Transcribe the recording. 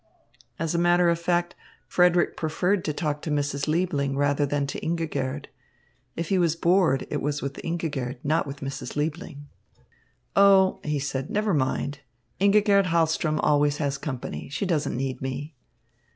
As a matter of fact, Frederick preferred to talk to Mrs. Liebling rather than to Ingigerd. If he was bored, it was with Ingigerd, not with Mrs. Liebling. "Oh," he said, "never mind. Ingigerd Hahlström always has company. She doesn't need me."